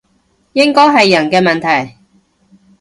應該係人嘅問題